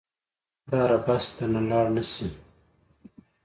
پلاره بس درنه لاړ نه شي.